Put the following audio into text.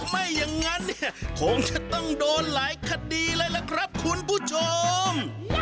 ไม่อย่างนั้นเนี่ยคงจะต้องโดนหลายคดีเลยล่ะครับคุณผู้ชม